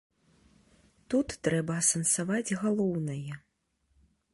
Тут трэба асэнсаваць галоўнае.